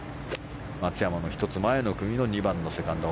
松山の１つ前の組の２番のセカンド。